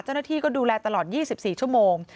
เจ้าหน้าที่ก็ดูแลตลอด๒๔ชั่วโมง